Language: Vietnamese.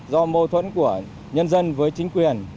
do mâu thuẫn của nhân dân với chính quyền